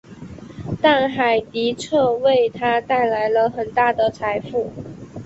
但海迪彻为他带来了很大的财富。